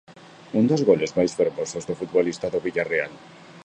Un dos goles máis fermosos do futbolista do Vilarreal.